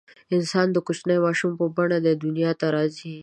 انسان د کوچني ماشوم په بڼه دې دنیا ته راځي.